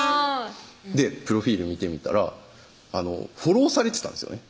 プロフィール見てみたらフォローされてたんですよね